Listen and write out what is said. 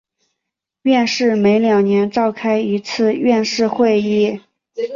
院士每两年召开一次院士会议。